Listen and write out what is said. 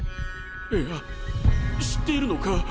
いや知っているのか？